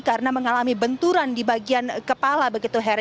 karena mengalami benturan di bagian kepala begitu hera